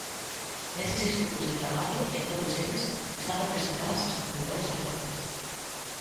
Neses seis grupos de traballo, en todos eles, están representadas as comunidades autónomas.